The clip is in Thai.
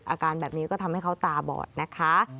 อาการแบบนี้ก็ทำให้เขาตาบอดนะคะ